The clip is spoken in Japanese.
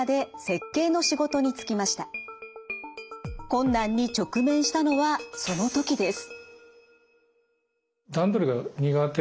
困難に直面したのはその時です。